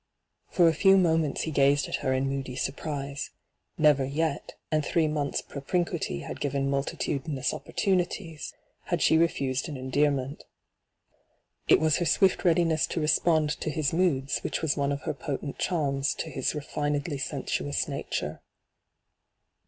For a few momenta he gazed at her in moody surprise. Never yet — and three months' propinquity had given multitudinous opportunities — had she refused an endearment. It was her swift readiness to respond to his moods which was one of her potent charms to his refinedly sensuous nature.